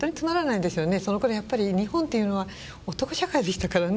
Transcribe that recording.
そのころやっぱり日本っていうのは男社会でしたからね。